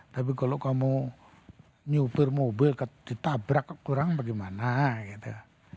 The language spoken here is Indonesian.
tapi kalau kamu nyupir mobil ditabrak kurang bagaimana gitu